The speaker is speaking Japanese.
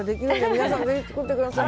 皆さんもぜひ作ってください。